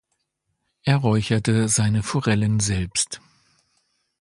Er räucherte seine Forellen selbst.